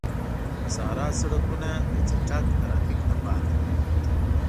د صحرا سړکونه د چټک ترافیک لپاره وي.